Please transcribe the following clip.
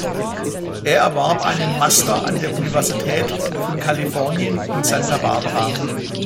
Er erwarb einen Master an der Universität von Kalifornien in Santa Barbara.